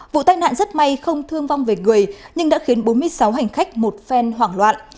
vụ tai nạn rất may không thương vong về người nhưng đã khiến bốn mươi sáu hành khách một phen hoảng loạn